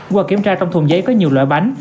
qua kiểm tra trong thùng giấy có nhiều loại bánh